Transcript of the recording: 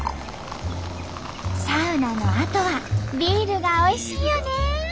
サウナのあとはビールがおいしいよね！